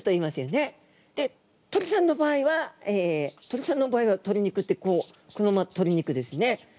で鳥さんの場合はえ鳥さんの場合は鳥肉ってこうこのまま鳥肉ですね。